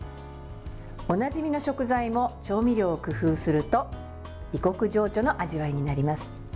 おなじみの食材も調味料を工夫すると異国情緒の味わいになります。